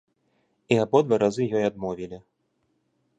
І абодва разы ёй адмовілі.